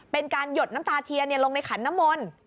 เป็นการหยดน้ำตาเทียนลงในขันน้ำมนต์